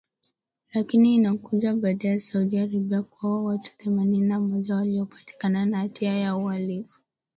Lakini inakuja baada ya Saudi Arabia kuwaua watu themanini na moja waliopatikana na hatia ya uhalifu.